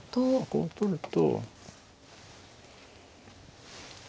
こう取ると。